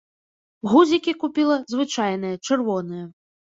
Гузікі купіла звычайныя чырвоныя.